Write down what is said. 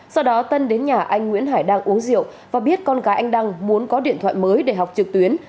sau đó tân đến nhà anh nguyễn hải đang uống rượu và biết con gái anh đăng muốn có điện thoại mới để học trực tuyến